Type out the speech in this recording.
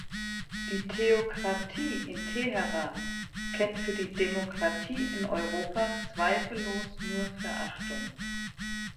Die Theokratie in Teheran kennt für die Demokratie in Europa zweifellos nur Verachtung.